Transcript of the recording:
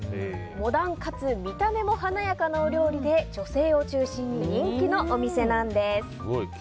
モダンかつ見た目も華やかなお料理で女性を中心に人気のお店なんです。